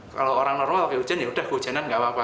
kalau orang normal pakai hujan ya udah kehujanan nggak apa apa